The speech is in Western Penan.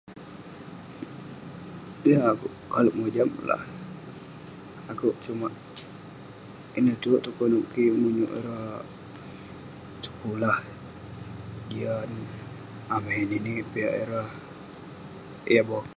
Yeng akouk kalek mojam lah, akouk sumak ineh tuerk tong konep kik..menyuk ireh sekulah, jian..amai ninik piak ireh yah boken..